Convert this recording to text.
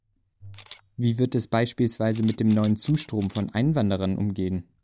Wie wird es beispielsweise mit dem neuen Zustrom von Einwanderern umgehen?